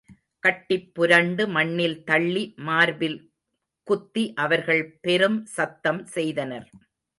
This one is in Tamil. கட்டிப்புரண்டு மண்ணில் தள்ளி மார்பில் குத்தி அவர்கள் பெரும்சத்தம் செய்தனர்.